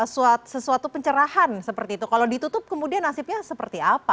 sesuatu pencerahan seperti itu kalau ditutup kemudian nasibnya seperti apa